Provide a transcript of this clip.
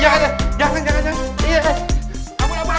jangan jangan jangan